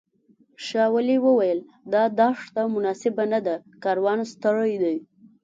شاولي وویل دا دښته مناسبه نه ده کاروان ستړی دی.